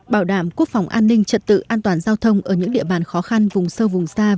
bảo đảm quốc phòng an ninh trật tự an toàn giao thông ở những địa bàn khó khăn vùng sâu vùng xa